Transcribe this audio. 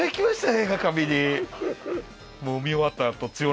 映画館見に。